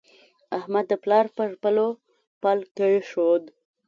احمد د پلار پر پلو پل کېښود.